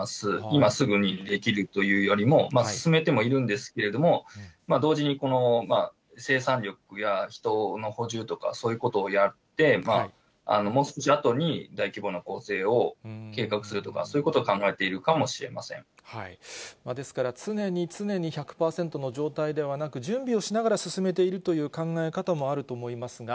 今すぐにできるというよりも、進めてもいるんですけれども、同時に、この生産力や人の補充とか、そういうことをやって、もう少しあとに大規模な攻勢を計画するとか、そういうことを考えですから、常に常に１００％の状態ではなく、準備をしながら進めているという考え方もあると思いますが。